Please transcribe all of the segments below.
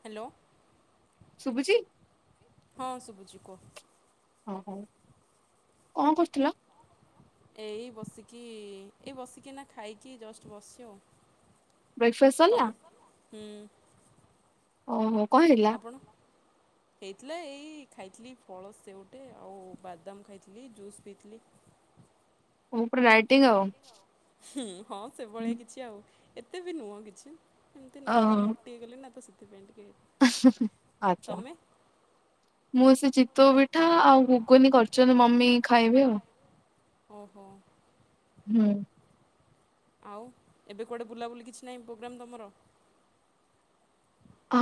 Hello. ଶୁଭୁଛି? ହଁ ଶଭୁଛି କୁହ? ଓ ହୋ କଣ କରୁଥିଲ? ଏଇ ବସିକି ଏଇ ବସିକିନା ଖାଇକି ଜଷ୍ଟ ବସିଛି ଆଉ। ତମ୍ ହୁଁ। ଓହୋ କଣ ହେଲା କି? ଆପଣ ହେଇଥିଲା ଏଇ ଖାଇଥିଲି ଫଳ ସେଓ ଟେ ଆଉ ବାଦାମ ଖାଇଥିଲି, ଜୁସ୍ ପିଇଥିଲି। ମୁଁ ରାଇଟିଙ୍ଗ୍ ଆଉ। ‌ ହୁଁ ହଁ ସେଭଳିଆ କିଛି ଆଉ ଏତେ ବି ନୁହଁ କିଛି ଏମିତି ନର୍ମାଲ ମୋ ଟି ହେଇଗଲଣି ନା ତ ସେଥିପାଇଁ ଟି କେ ଆଚ୍ଛା ମୁଁ ସେ ଚିତୋଉ ପିଠା ଆଉ କୁନି କରିଛନ୍ତି ମମି ଖାଇବି ଆଉ। ଓହୋ। ହୁଁ। ଆଉ ଏବେ କୁଆଡ଼େ ବୁଲାବୁଲି କିଛି ନାହିଁ ପ୍ରୋଗ୍ରାମ୍ ତମର?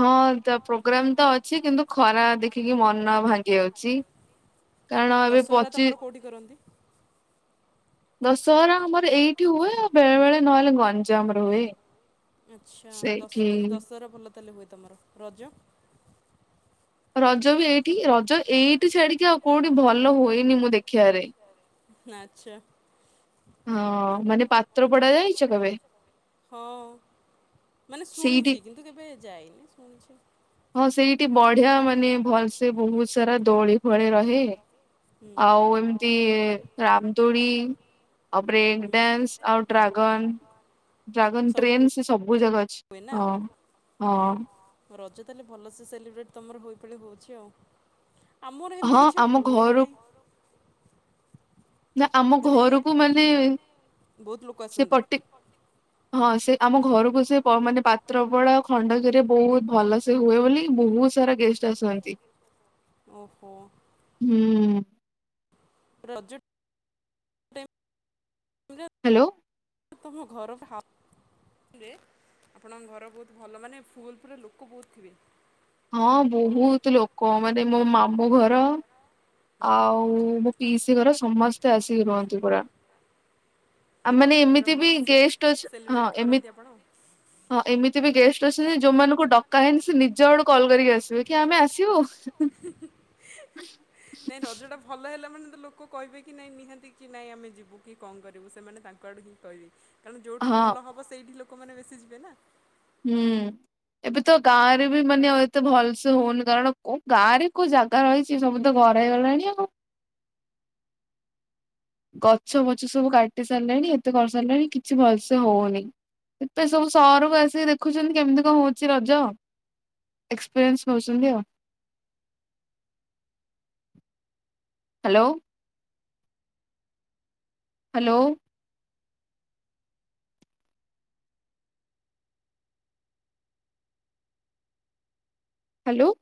ହଁ ତା ପ୍ରୋଗ୍ରାମ ତ ଅଛି କିନ୍ତୁ ଖରା ଦେଖିକି ମନ ଭାଙ୍ଗି ଯାଉଛି। ଦଶହରା ତମର କୋଉଠି କରନ୍ତି? ଦଶହରା ଆମର ଏଇଠି ହୁଏ ବେଳେ ବେଳେ ନହେଲେ ଗଞ୍ଜାମରେ ହୁଏ। ଆଚ୍ଛା, ଦଶ ଦଶହର ଭଲ ତାହେଲେ ହୁଏ ତମର ରଜ? ରଜ ବି ଏଇଠି ରଜ ଏଇଠି ଛାଡିକି ଆଉ କୋଉଠି ଭଲ ହୁଏନି ମୁଁ ଦେଖିବାରେ। ଆଚ୍ଛା। ହଁ ମାନେ ପାତ୍ର ପଡା ଯାଇଛ କେବେ? ହଁ, ମାନେ ଶୁଣିଛି କିନ୍ତୁ କେବେ ଯାଇନି ଶୁଣିଛି। ହଁ ସେଇଠି ବଢିଆ ମାନେ ଭଲ ସେ ବହୁତ୍ ସାରା ଦୋଳି ଫୋଳି ରହେ। ଆଉ ଏମିତି ରାମ ଦୋଳି ଆଉ ବ୍ରେକ୍ ଡ୍ୟାନ୍ସ ଆଉ ଡ୍ରାଗନ, ଡ୍ରାଗନ୍ ଟ୍ରେନ୍ ସେ ସବୁ ଜାଗା ଅଛି। ହୁଏନା ହଁ। ରଜ ତାହେଲେ ଭଲସେ ସେଲିବ୍ରେଟ୍ ତମର ହ ଏଇପାଳି ହେଉଛି ଆଉ। ଆମର ହେମନ୍ତି କିଛି ହୁଏ ହିଁ ନାହିଁ। ନା ଆମ ଘରକୁ ମାନେ ସେ ପଟି ହଁ ସେ ଆମ ଘରକୁ ସେ ପ ମାନେ ପାତ୍ରପଡା ଖଣ୍ଡଗିରେ ବହୁତ୍ ଭଲସେ ସେ ହୁଏ ବୋଲି ବହୁତ୍ ସାରା ଗେଷ୍ଟ ଆସନ୍ତି। ଓହୋ। ହୁଁ। ରଜ [unintelligible] ହ୍ୟାଲୋ। ତମ ଘର ଭାବ୍ ଠୁରେ ଆପଣଙ୍କ ଘର ବହୁତ୍ ଭଲ ମାନେ ଫୁଲ୍ ପୁରା ଲୋକ ବହୁତ୍ ଥିବେ। ହଁ ବହୁତ୍ ଲୋକ ମାନେ ମୋ ମାମୁଁ ଘର ଆଉ ଭୁ ପିଇସୀ ଘର ସମସ୍ତେ ଆସିକି ରୁହନ୍ତି ପୁରା। ଆଉ ମାନେ ଏମିତି ବି ଗେଷ୍ଟ ଅଛ ହଁ ଏମିତି ହଁ ଏମିତି ବି ଗେଷ୍ଟ ଅଛନ୍ତି ଯୋଉମାନଙ୍କୁ ଡକା ହେଇନି ସେ ନିଜ ଆଡୁ କଲ୍ କରିକି ଆସିବେ କି ଆମେ ଆସିବୁ? ଯୋଉଟା ଭଲ ହେଲା ମାନେ ତ ଲୋକ କହିବେ କି ନାଇଁ ନିହାତି କି ନାଇଁ ଆମେ ଯିବୁ? କି କଣ କରିବୁ ସେମାନେ ତାଙ୍କ ଆଡୁ ହିଁ କହିବି କାରଣ ଯେଉଁଠି ଭଲ ହେବ ସେଇଠି ଲୋକମାନେ ବେଶି ଯିବେ ନା? ହୁଁ ଏବେ ତ ଗାଁ ରେ ବି ମାନେ ଆଉ ଏତେ ଭଲସେ ହଉନି କାରଣ କୋ ଗାଁରେ କୋଉ ଜା ଗା ରହିଛି ସବୁ ତ ଘରେ ହେଇଗଲାଣି ଆଉ। ଗଛ ବଛ ସବୁ କାଟି ସାରିଲାଣି ଏତେ କରି ସାରିଲେଣି କିଛି ଭଲସେ ହଉନି। ଏବେ ସବୁ ସହରକୁ ଆସିକି ଦେଖୁଛନ୍ତି କେମିତି କଣ ହଉଛି ରଜ? ଏକ୍ସପେରେଏନ୍ସ ନଉଚନ୍ତି ଆଉ ହ୍ୟାଲୋ। ହ୍ୟାଲୋ। ହ୍ୟାଲୋ।